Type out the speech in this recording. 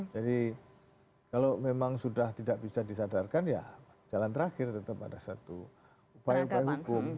jadi kalau memang sudah tidak bisa disadarkan ya jalan terakhir tetap ada satu upaya upaya hukum